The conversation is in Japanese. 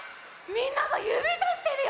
みんながゆびさしてるよ！